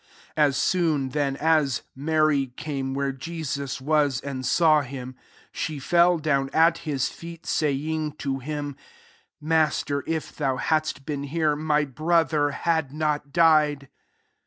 '* 32 As soon then as Maif came where Jesus was, and aw him, she fell down at his fee^ saying to him, " Master, if ^oA hadst been here, my broAl had not died."